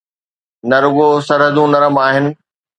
نه رڳو سرحدون نرم آهن.